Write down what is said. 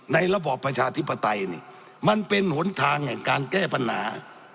ระบอบประชาธิปไตยนี่มันเป็นหนทางแห่งการแก้ปัญหา